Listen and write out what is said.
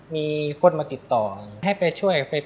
มีคนมาติดต่อให้ไปช่วย